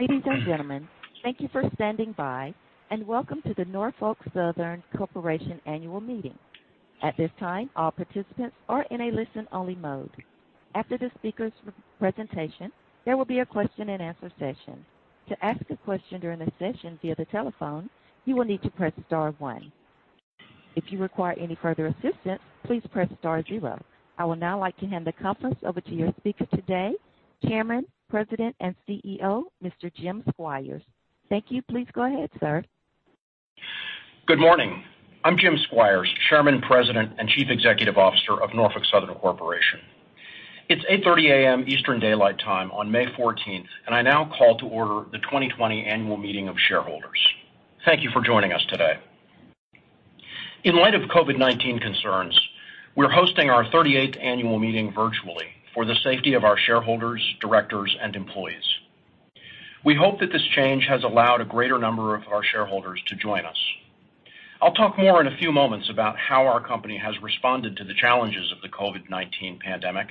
Ladies and gentlemen, thank you for standing by, and welcome to the Norfolk Southern Corporation annual meeting. At this time, all participants are in a listen-only mode. After the speaker's presentation, there will be a question and answer session. To ask a question during the session via the telephone, you will need to press star one. If you require any further assistance, please press star zero. I would now like to hand the conference over to your speaker today, Chairman, President, and CEO, Mr. Jim Squires. Thank you. Please go ahead, sir. Good morning. I'm Jim Squires, Chairman, President, and Chief Executive Officer of Norfolk Southern Corporation. It's 8:30 A.M. Eastern Daylight Time on May 14th. I now call to order the 2020 annual meeting of shareholders. Thank you for joining us today. In light of COVID-19 concerns, we're hosting our 38th annual meeting virtually for the safety of our shareholders, directors, and employees. We hope that this change has allowed a greater number of our shareholders to join us. I'll talk more in a few moments about how our company has responded to the challenges of the COVID-19 pandemic.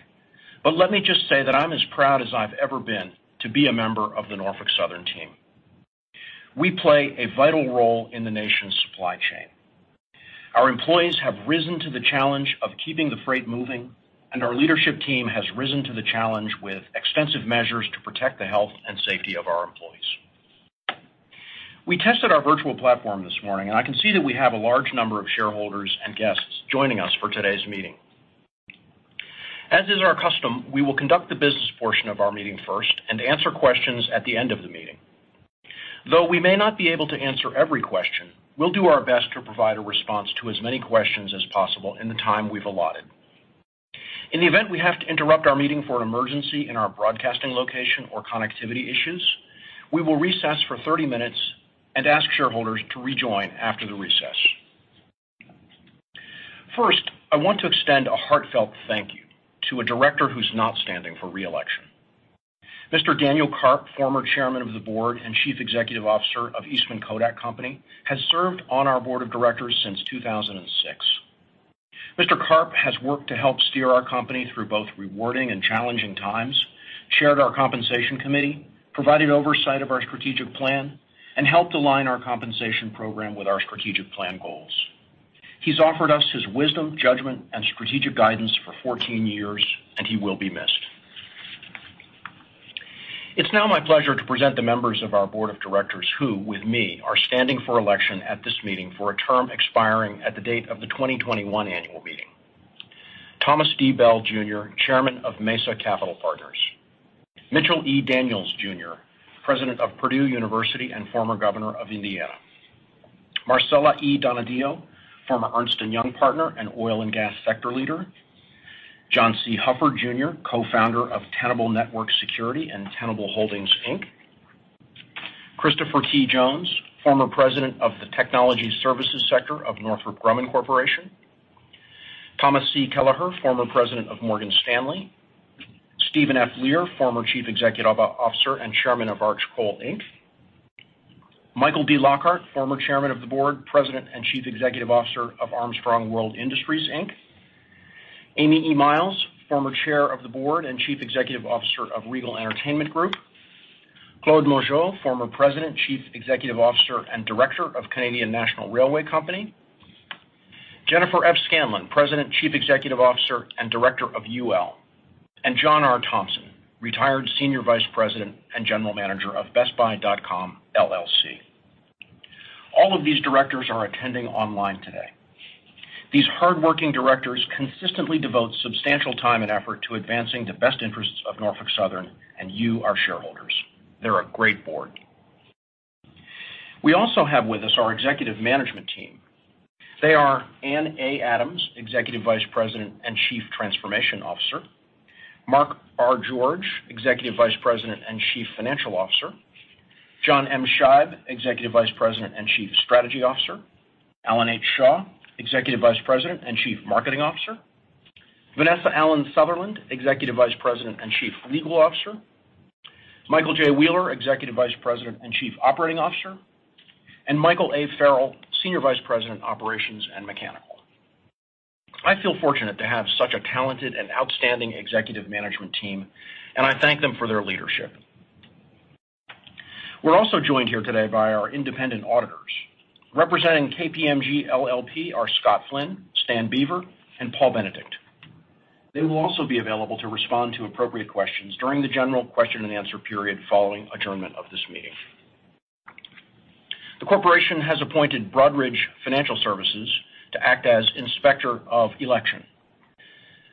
Let me just say that I'm as proud as I've ever been to be a member of the Norfolk Southern team. We play a vital role in the nation's supply chain. Our employees have risen to the challenge of keeping the freight moving, and our leadership team has risen to the challenge with extensive measures to protect the health and safety of our employees. We tested our virtual platform this morning, and I can see that we have a large number of shareholders and guests joining us for today's meeting. As is our custom, we will conduct the business portion of our meeting first and answer questions at the end of the meeting. Though we may not be able to answer every question, we'll do our best to provide a response to as many questions as possible in the time we've allotted. In the event we have to interrupt our meeting for an emergency in our broadcasting location or connectivity issues, we will recess for 30 minutes and ask shareholders to rejoin after the recess. First, I want to extend a heartfelt thank you to a director who's not standing for re-election. Mr. Daniel Carp, former Chairman of the Board and Chief Executive Officer of Eastman Kodak Company, has served on our board of directors since 2006. Mr. Carp has worked to help steer our company through both rewarding and challenging times, chaired our compensation committee, provided oversight of our strategic plan, and helped align our compensation program with our strategic plan goals. He's offered us his wisdom, judgment, and strategic guidance for 14 years, and he will be missed. It's now my pleasure to present the members of our board of directors, who with me, are standing for election at this meeting for a term expiring at the date of the 2021 annual meeting. Thomas D. Bell Jr., Chairman of Mesa Capital Partners. Mitchell E. Daniels Jr., President of Purdue University and former Governor of Indiana. Marcela E. Donadio, former Ernst & Young partner and oil and gas sector leader. John C. Huffard Jr., co-founder of Tenable Network Security and Tenable Holdings, Inc. Christopher T. Jones, former President of the technology services sector of Northrop Grumman Corporation. Thomas C. Kelleher, former President of Morgan Stanley. Steven F. Leer, former Chief Executive Officer and Chairman of Arch Coal, Inc. Michael D. Lockhart, former Chairman of the Board, President, and Chief Executive Officer of Armstrong World Industries, Inc. Amy E. Miles, former Chair of the Board and Chief Executive Officer of Regal Entertainment Group. Claude Mongeau, former President, Chief Executive Officer, and Director of Canadian National Railway Company. Jennifer F. Scanlon, President, Chief Executive Officer, and Director of UL, and John R. Thompson, retired Senior Vice President and General Manager of BestBuy.com LLC. All of these directors are attending online today. These hardworking directors consistently devote substantial time and effort to advancing the best interests of Norfolk Southern and you, our shareholders. They're a great board. We also have with us our executive management team. They are Ann A. Adams, Executive Vice President and Chief Transformation Officer. Mark R. George, Executive Vice President and Chief Financial Officer. John M. Scheib, Executive Vice President and Chief Strategy Officer. Alan H. Shaw, Executive Vice President and Chief Marketing Officer. Vanessa Allen Sutherland, Executive Vice President and Chief Legal Officer. Michael J. Wheeler, Executive Vice President and Chief Operating Officer, and Michael A. Farrell, Senior Vice President, Operations and Mechanical. I feel fortunate to have such a talented and outstanding executive management team, and I thank them for their leadership. We're also joined here today by our independent auditors. Representing KPMG LLP are Scott Flynn, Stan Beaver, and Paul Benedict. They will also be available to respond to appropriate questions during the general question and answer period following adjournment of this meeting. The corporation has appointed Broadridge Financial Solutions to act as Inspector of Election.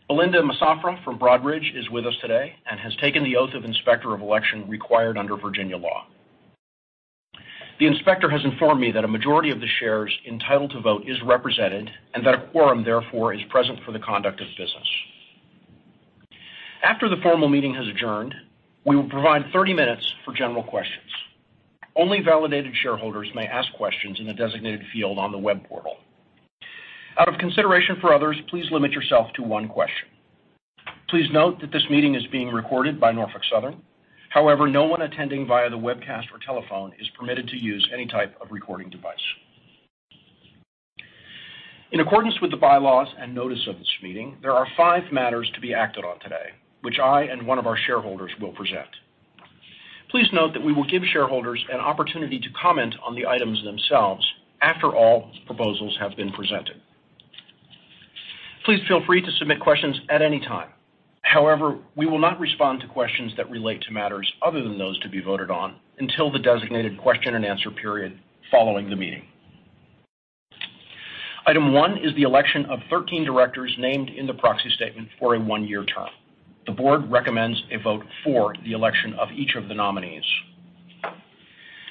Belinda Massafra from Broadridge is with us today and has taken the oath of Inspector of Election required under Virginia law. The inspector has informed me that a majority of the shares entitled to vote is represented and that a quorum, therefore, is present for the conduct of business. After the formal meeting has adjourned, we will provide 30 minutes for general questions. Only validated shareholders may ask questions in the designated field on the web portal. Out of consideration for others, please limit yourself to one question. Please note that this meeting is being recorded by Norfolk Southern. However, no one attending via the webcast or telephone is permitted to use any type of recording device. In accordance with the bylaws and notice of this meeting, there are five matters to be acted on today, which I and one of our shareholders will present. Please note that we will give shareholders an opportunity to comment on the items themselves after all proposals have been presented. Please feel free to submit questions at any time. However, we will not respond to questions that relate to matters other than those to be voted on until the designated question and answer period following the meeting. Item one is the election of 13 directors named in the proxy statement for a one-year term. The board recommends a vote for the election of each of the nominees.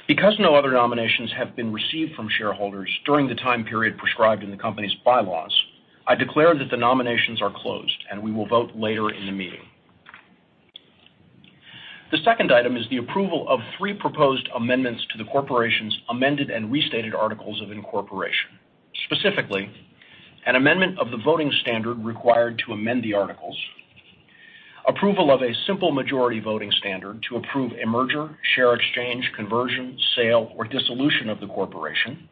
Because no other nominations have been received from shareholders during the time period prescribed in the company's bylaws, I declare that the nominations are closed, and we will vote later in the meeting. The second item is the approval of three proposed amendments to the corporation's amended and restated articles of incorporation. Specifically, an amendment of the voting standard required to amend the articles, approval of a simple majority voting standard to approve a merger, share exchange, conversion, sale, or dissolution of the corporation,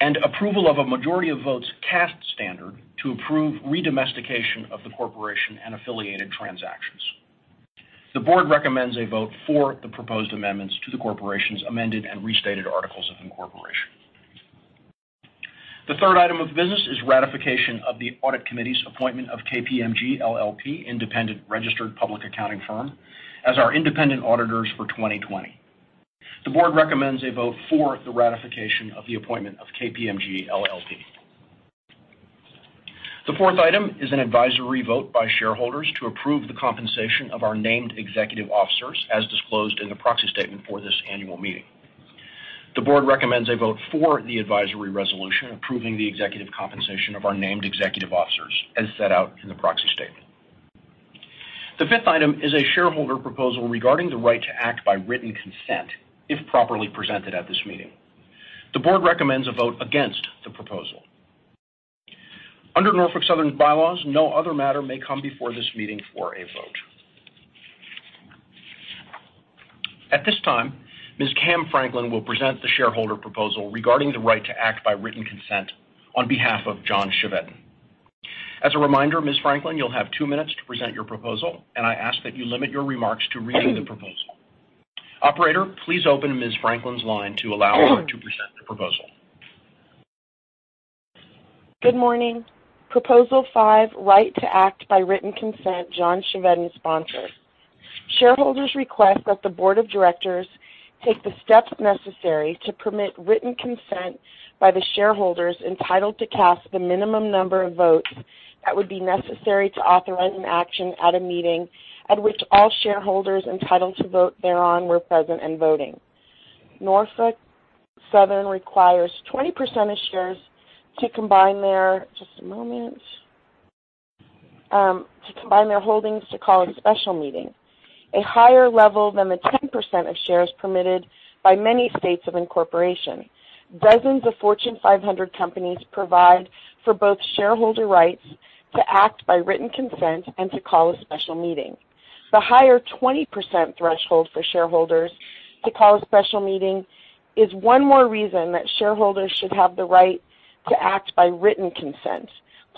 and approval of a majority-of-votes-cast standard to approve re-domestication of the corporation and affiliated transactions. The board recommends a vote for the proposed amendments to the corporation's amended and restated articles of incorporation. The third item of business is ratification of the audit committee's appointment of KPMG LLP, independent registered public accounting firm, as our independent auditors for 2020. The board recommends a vote for the ratification of the appointment of KPMG LLP. The fourth item is an advisory vote by shareholders to approve the compensation of our named executive officers as disclosed in the proxy statement for this annual meeting. The board recommends a vote for the advisory resolution approving the executive compensation of our named executive officers as set out in the proxy statement. The fifth item is a shareholder proposal regarding the right to act by written consent if properly presented at this meeting. The board recommends a vote against the proposal. Under Norfolk Southern's bylaws, no other matter may come before this meeting for a vote. At this time, Ms. Kam Franklin will present the shareholder proposal regarding the right to act by written consent on behalf of John Chevedden. As a reminder, Ms. Franklin, you'll have two minutes to present your proposal. I ask that you limit your remarks to reading the proposal. Operator, please open Ms. Franklin's line to allow her to present the proposal. Good morning. Proposal 5, right to act by written consent, John Chevedden sponsor. Shareholders request that the board of directors take the steps necessary to permit written consent by the shareholders entitled to cast the minimum number of votes that would be necessary to authorize an action at a meeting at which all shareholders entitled to vote thereon were present and voting. Norfolk Southern requires 20% of shares to combine their holdings to call a special meeting, a higher level than the 10% of shares permitted by many states of incorporation. Dozens of Fortune 500 companies provide for both shareholder rights to act by written consent and to call a special meeting. The higher 20% threshold for shareholders to call a special meeting is one more reason that shareholders should have the right to act by written consent.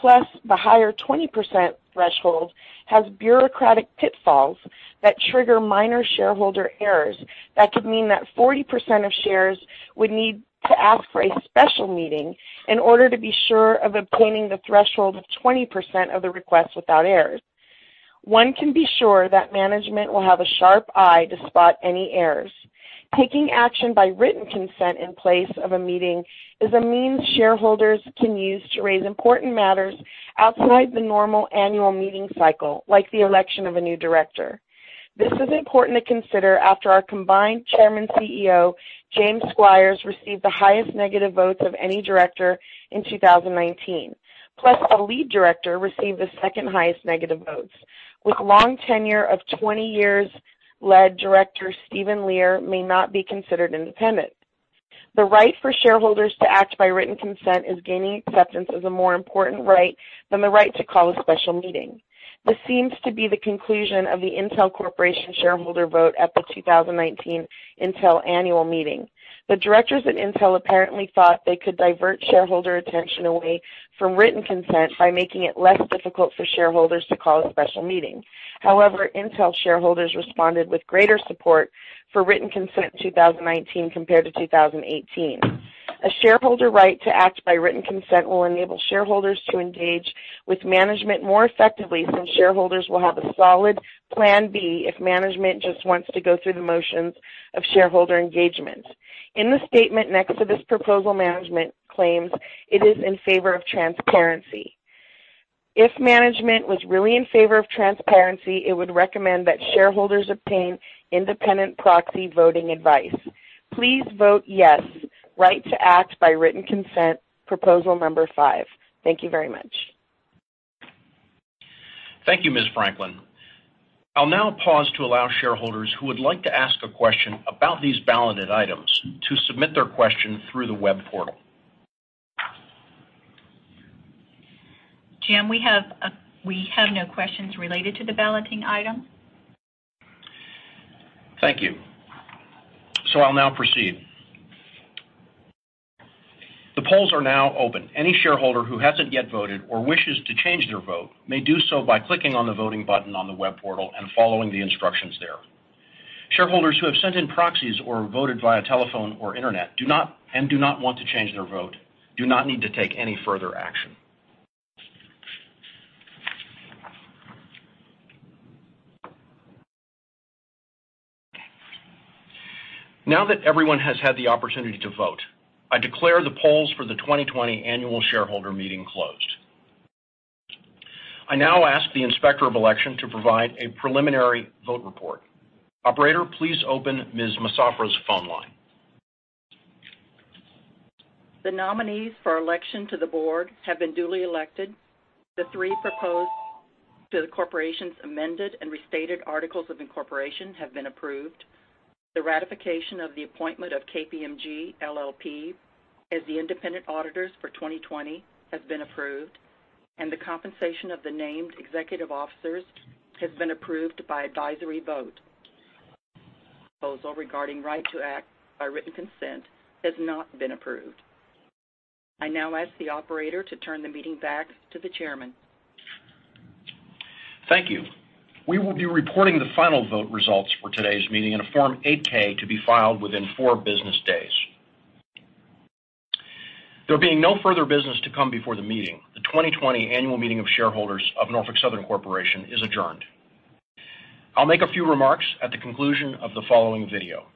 The higher 20% threshold has bureaucratic pitfalls that trigger minor shareholder errors that could mean that 40% of shares would need to ask for a special meeting in order to be sure of obtaining the threshold of 20% of the request without errors. One can be sure that management will have a sharp eye to spot any errors. Taking action by written consent in place of a meeting is a means shareholders can use to raise important matters outside the normal annual meeting cycle, like the election of a new director. This is important to consider after our combined Chairman, CEO, James Squires, received the highest negative votes of any director in 2019. A lead director received the second highest negative votes. With long tenure of 20 years, lead director Steven Leer may not be considered independent. The right for shareholders to act by written consent is gaining acceptance as a more important right than the right to call a special meeting. This seems to be the conclusion of the Intel Corporation shareholder vote at the 2019 Intel annual meeting. The directors at Intel apparently thought they could divert shareholder attention away from written consent by making it less difficult for shareholders to call a special meeting. However, Intel shareholders responded with greater support for written consent in 2019 compared to 2018. A shareholder right to act by written consent will enable shareholders to engage with management more effectively since shareholders will have a solid plan B if management just wants to go through the motions of shareholder engagement. In the statement next to this proposal, management claims it is in favor of transparency. If management was really in favor of transparency, it would recommend that shareholders obtain independent proxy voting advice. Please vote yes, right to act by written consent, proposal number five. Thank you very much. Thank you, Ms. Franklin. I'll now pause to allow shareholders who would like to ask a question about these balloted items to submit their question through the web portal. Jim, we have no questions related to the balloting item. Thank you. I'll now proceed. The polls are now open. Any shareholder who hasn't yet voted or wishes to change their vote may do so by clicking on the voting button on the web portal and following the instructions there. Shareholders who have sent in proxies or voted via telephone or internet, and do not want to change their vote, do not need to take any further action. Now that everyone has had the opportunity to vote, I declare the polls for the 2020 annual shareholder meeting closed. I now ask the Inspector of Election to provide a preliminary vote report. Operator, please open Ms. Massafra's phone line. The nominees for election to the board have been duly elected. The three proposed to the corporation's amended and restated articles of incorporation have been approved. The ratification of the appointment of KPMG LLP as the independent auditors for 2020 has been approved, and the compensation of the named executive officers has been approved by advisory vote. Proposal regarding right to act by written consent has not been approved. I now ask the operator to turn the meeting back to the chairman. Thank you. We will be reporting the final vote results for today's meeting in a Form 8-K to be filed within four business days. There being no further business to come before the meeting, the 2020 annual meeting of shareholders of Norfolk Southern Corporation is adjourned. I'll make a few remarks at the conclusion of the following video.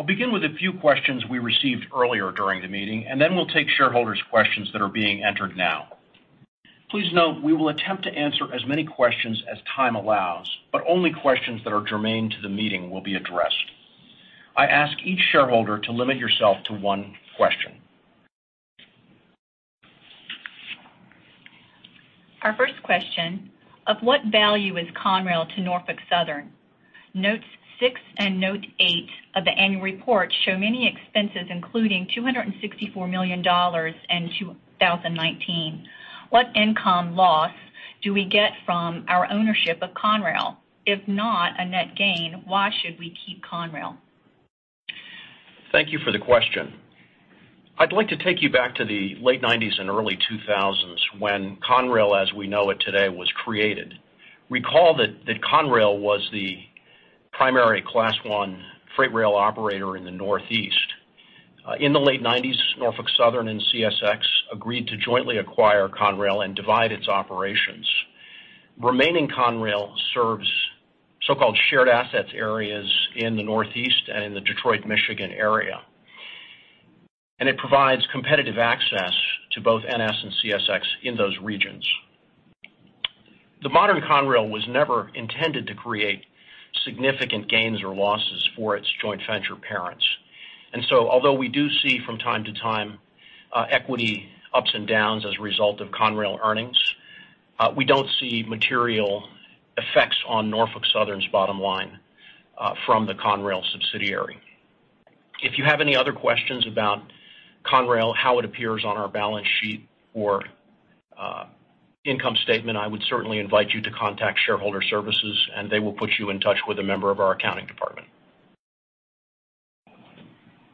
I'll begin with a few questions we received earlier during the meeting, and then we'll take shareholders' questions that are being entered now. Please note, we will attempt to answer as many questions as time allows, but only questions that are germane to the meeting will be addressed. I ask each shareholder to limit yourself to one question. Our first question, of what value is Conrail to Norfolk Southern? Note six and Note eight of the annual report show many expenses, including $264 million in 2019. What income loss do we get from our ownership of Conrail? If not a net gain, why should we keep Conrail? Thank you for the question. I'd like to take you back to the late '90s and early 2000s when Conrail, as we know it today, was created. Recall that Conrail was the primary Class I freight rail operator in the Northeast. In the late '90s, Norfolk Southern and CSX agreed to jointly acquire Conrail and divide its operations. Remaining Conrail serves so-called shared assets areas in the Northeast and the Detroit, Michigan area, and it provides competitive access to both NS and CSX in those regions. The modern Conrail was never intended to create significant gains or losses for its joint venture parents. Although we do see from time to time equity ups and downs as a result of Conrail earnings, we don't see material effects on Norfolk Southern's bottom line from the Conrail subsidiary. If you have any other questions about Conrail, how it appears on our balance sheet or income statement, I would certainly invite you to contact shareholder services, and they will put you in touch with a member of our accounting department.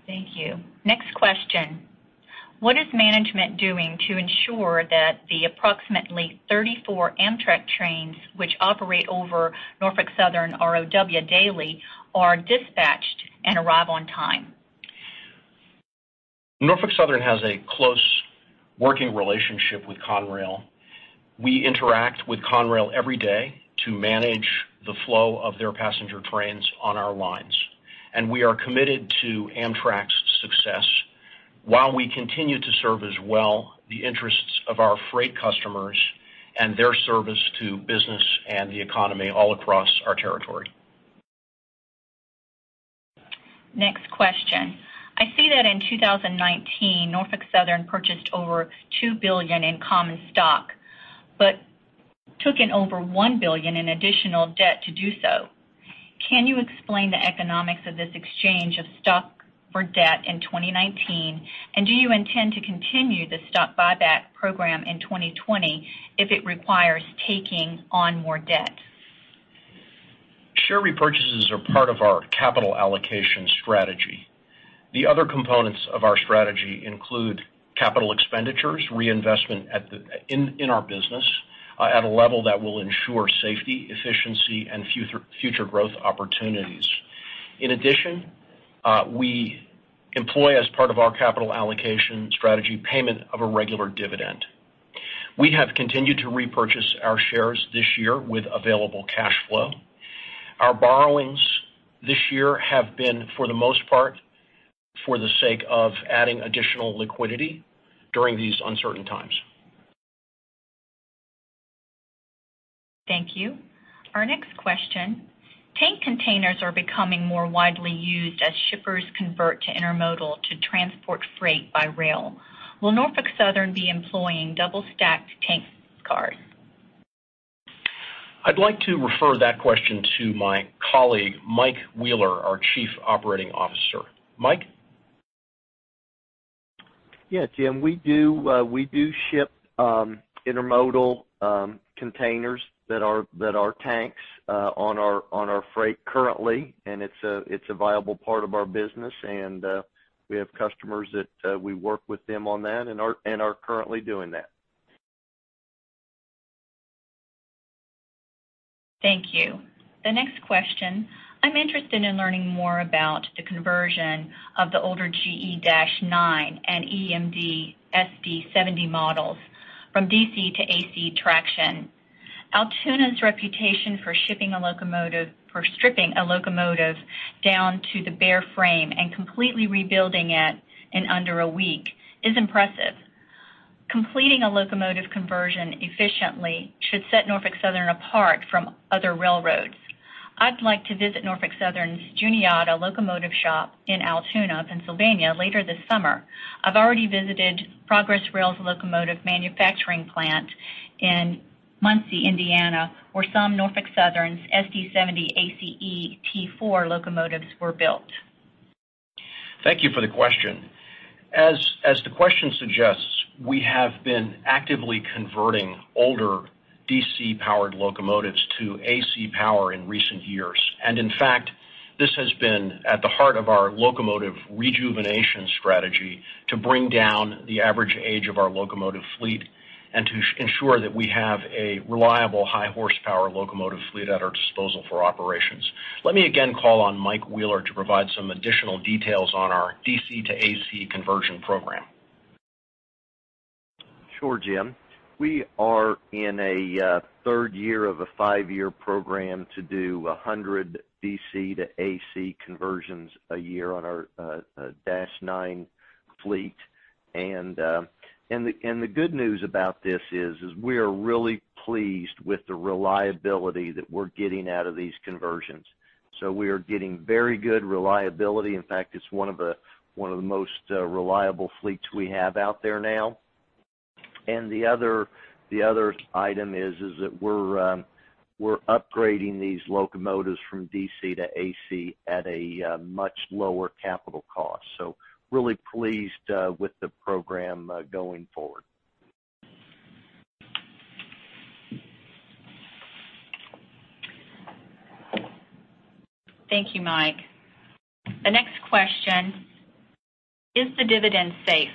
Thank you. Next question. What is management doing to ensure that the approximately 34 Amtrak trains which operate over Norfolk Southern ROW daily are dispatched and arrive on time? Norfolk Southern has a close working relationship with Conrail. We interact with Conrail every day to manage the flow of their passenger trains on our lines. We are committed to Amtrak's success while we continue to serve as well the interests of our freight customers and their service to business and the economy all across our territory. Next question. I see that in 2019, Norfolk Southern purchased over $2 billion in common stock but took in over $1 billion in additional debt to do so. Can you explain the economics of this exchange of stock for debt in 2019, and do you intend to continue the stock buyback program in 2020 if it requires taking on more debt? Share repurchases are part of our capital allocation strategy. The other components of our strategy include capital expenditures, reinvestment in our business at a level that will ensure safety, efficiency, and future growth opportunities. In addition, we employ, as part of our capital allocation strategy, payment of a regular dividend. We have continued to repurchase our shares this year with available cash flow. Our borrowings this year have been, for the most part, for the sake of adding additional liquidity during these uncertain times. Thank you. Our next question: tank containers are becoming more widely used as shippers convert to intermodal to transport freight by rail. Will Norfolk Southern be employing double-stacked tank cars? I'd like to refer that question to my colleague, Mike Wheeler, our Chief Operating Officer. Mike? Yeah, Jim, we do ship intermodal containers that are tanks on our freight currently, and it's a viable part of our business, and we have customers that we work with them on that and are currently doing that. Thank you. The next question: I'm interested in learning more about the conversion of the older GE-9 and EMD SD70 models from DC to AC traction. Altoona's reputation for stripping a locomotive down to the bare frame and completely rebuilding it in under a week is impressive. Completing a locomotive conversion efficiently should set Norfolk Southern apart from other railroads. I'd like to visit Norfolk Southern's Juniata locomotive shop in Altoona, Pennsylvania, later this summer. I've already visited Progress Rail's locomotive manufacturing plant in Muncie, Indiana, where some Norfolk Southern SD70ACe-T4 locomotives were built. Thank you for the question. As the question suggests, we have been actively converting older DC-powered locomotives to AC power in recent years. In fact, this has been at the heart of our locomotive rejuvenation strategy to bring down the average age of our locomotive fleet and to ensure that we have a reliable high-horsepower locomotive fleet at our disposal for operations. Let me again call on Mike Wheeler to provide some additional details on our DC to AC conversion program. Sure, Jim. We are in a third year of a five-year program to do 100 DC to AC conversions a year on our Dash 9 fleet. The good news about this is we are really pleased with the reliability that we're getting out of these conversions. We are getting very good reliability. In fact, it's one of the most reliable fleets we have out there now. The other item is that we're upgrading these locomotives from DC to AC at a much lower capital cost. Really pleased with the program going forward. Thank you, Mike. The next question: is the dividend safe?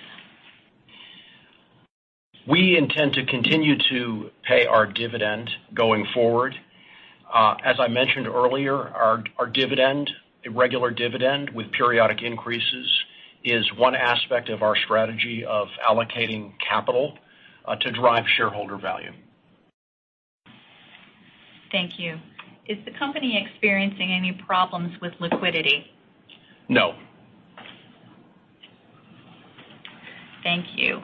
We intend to continue to pay our dividend going forward. As I mentioned earlier, our regular dividend with periodic increases is one aspect of our strategy of allocating capital to drive shareholder value. Thank you. Is the company experiencing any problems with liquidity? No. Thank you.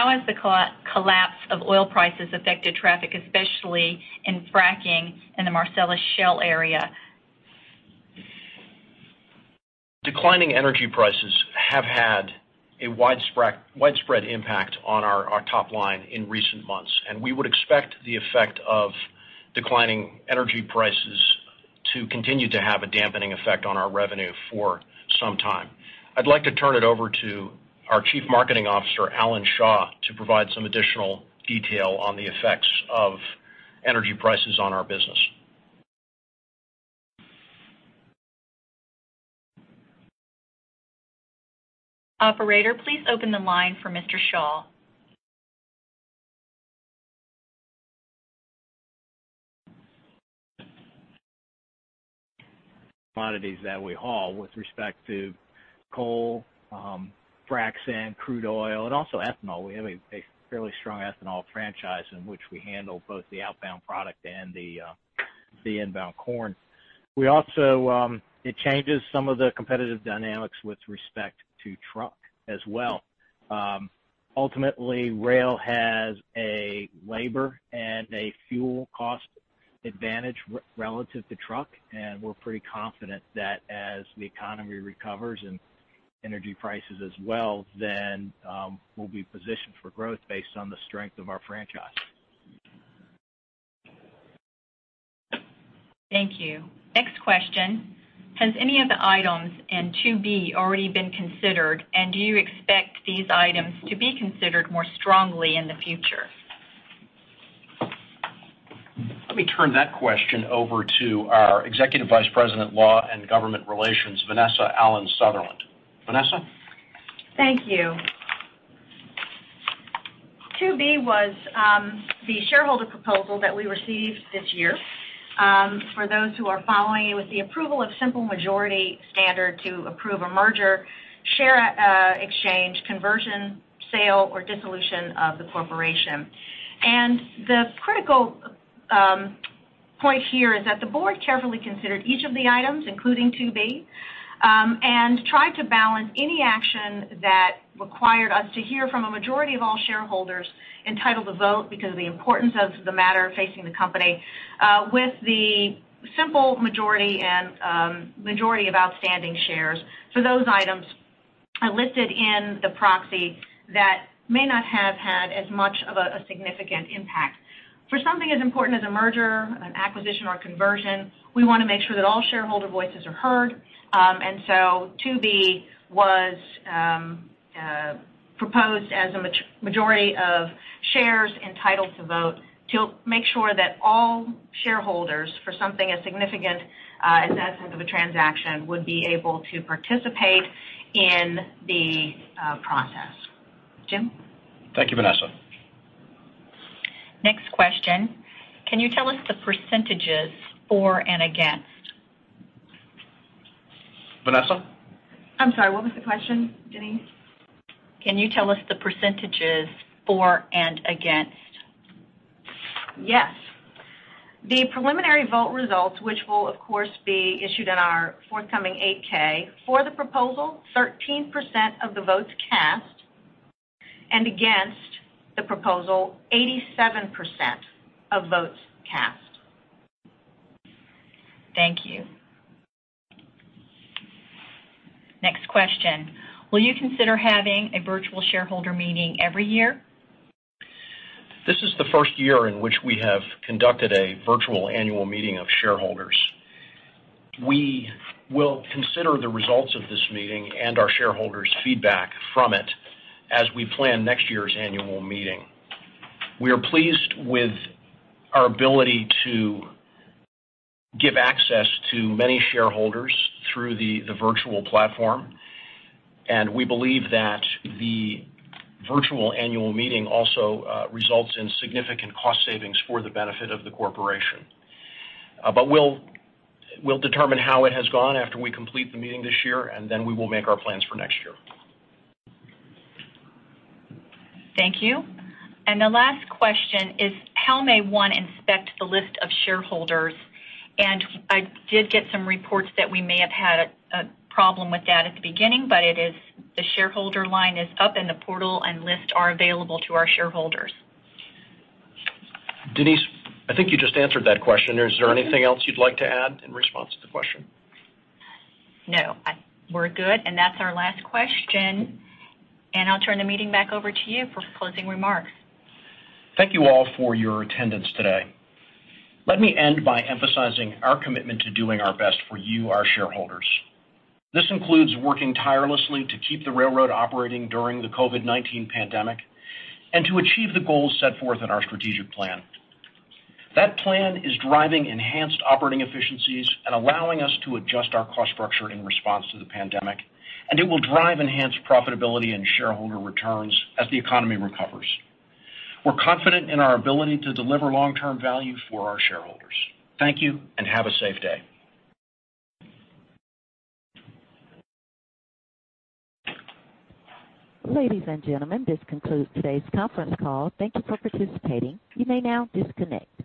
How has the collapse of oil prices affected traffic, especially in fracking in the Marcellus Shale area? Declining energy prices have had a widespread impact on our top line in recent months, and we would expect the effect of declining energy prices to continue to have a dampening effect on our revenue for some time. I'd like to turn it over to our Chief Marketing Officer, Alan Shaw, to provide some additional detail on the effects of energy prices on our business. Operator, please open the line for Mr. Shaw. Commodities that we haul with respect to coal, frac sand, crude oil, and also ethanol. We have a fairly strong ethanol franchise in which we handle both the outbound product and the inbound corn. It changes some of the competitive dynamics with respect to truck as well. Ultimately, rail has a labor and a fuel cost advantage relative to truck, and we're pretty confident that as the economy recovers and energy prices as well, then we'll be positioned for growth based on the strength of our franchise. Thank you. Next question. Has any of the items in 2B already been considered, and do you expect these items to be considered more strongly in the future? Let me turn that question over to our Executive Vice President, Law and Government Relations, Vanessa Allen Sutherland. Vanessa? Thank you. 2B was the shareholder proposal that we received this year. For those who are following, it was the approval of simple majority standard to approve a merger, share exchange, conversion, sale, or dissolution of the corporation. The critical point here is that the board carefully considered each of the items, including 2B, and tried to balance any action that required us to hear from a majority of all shareholders entitled to vote because of the importance of the matter facing the company with the simple majority and majority of outstanding shares for those items listed in the proxy that may not have had as much of a significant impact. For something as important as a merger, an acquisition, or conversion, we want to make sure that all shareholder voices are heard. 2B was proposed as a majority of shares entitled to vote to make sure that all shareholders, for something as significant in essence of a transaction, would be able to participate in the process. Jim? Thank you, Vanessa. Next question: can you tell us the percentages for and against? Vanessa? I'm sorry, what was the question, Denise? Can you tell us the percentages for and against? Yes. The preliminary vote results, which will, of course, be issued in our forthcoming 8-K, for the proposal, 13% of the votes cast, and against the proposal, 87% of votes cast. Thank you. Next question: will you consider having a virtual shareholder meeting every year? This is the first year in which we have conducted a virtual annual meeting of shareholders. We will consider the results of this meeting and our shareholders' feedback from it as we plan next year's annual meeting. We are pleased with our ability to give access to many shareholders through the virtual platform, and we believe that the virtual annual meeting also results in significant cost savings for the benefit of the corporation. We'll determine how it has gone after we complete the meeting this year, and then we will make our plans for next year. Thank you. The last question is, how may one inspect the list of shareholders? I did get some reports that we may have had a problem with that at the beginning, but the shareholder line is up and the portal and list are available to our shareholders. Denise, I think you just answered that question. Is there anything else you'd like to add in response to the question? No, we're good. That's our last question, and I'll turn the meeting back over to you for closing remarks. Thank you all for your attendance today. Let me end by emphasizing our commitment to doing our best for you, our shareholders. This includes working tirelessly to keep the railroad operating during the COVID-19 pandemic and to achieve the goals set forth in our strategic plan. That plan is driving enhanced operating efficiencies and allowing us to adjust our cost structure in response to the pandemic, and it will drive enhanced profitability and shareholder returns as the economy recovers. We're confident in our ability to deliver long-term value for our shareholders. Thank you, and have a safe day. Ladies and gentlemen, this concludes today's conference call. Thank you for participating. You may now disconnect.